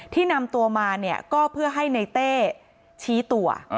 ที่นำตัวมาเนี่ยก็เพื่อให้ในเต้ชี้ตัว